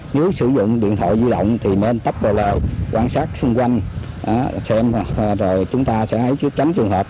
nếu sử dụng điện thoại di động thì nên tắp vào lờ quan sát xung quanh xem rồi chúng ta sẽ tránh trường hợp